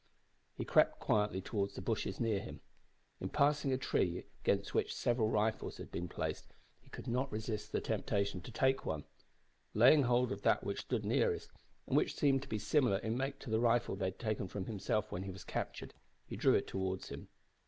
He crept quietly towards the bushes near him. In passing a tree against which several rifles had been placed he could not resist the temptation to take one. Laying hold of that which stood nearest, and which seemed to be similar in make to the rifle they had taken from himself when he was captured, he drew it towards him.